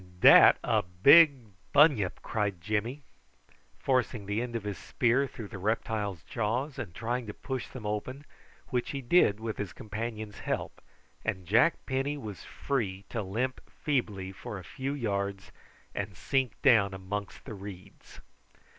"Dat a big bunyip," cried Jimmy, forcing the end of his spear through the reptile's jaws and trying to push them open, which he did with his companion's help, and Jack Penny was free to limp feebly for a few yards, and sink down amongst the reeds.